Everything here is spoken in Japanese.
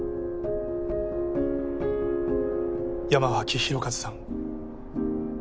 山脇浩一さん。